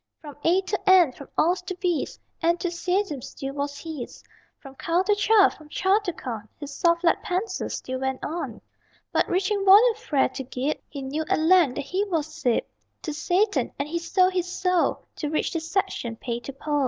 From A to And, from Aus to Bis Enthusiasm still was his; From Cal to Cha, from Cha to Con His soft lead pencil still went on. But reaching volume Fra to Gib, He knew at length that he was sib To Satan; and he sold his soul To reach the section Pay to Pol.